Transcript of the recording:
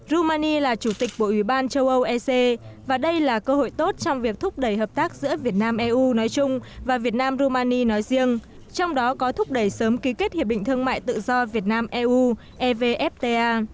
romani là chủ tịch bộ ủy ban châu âu ec và đây là cơ hội tốt trong việc thúc đẩy hợp tác giữa việt nam eu nói chung và việt nam rumani nói riêng trong đó có thúc đẩy sớm ký kết hiệp định thương mại tự do việt nam eu evfta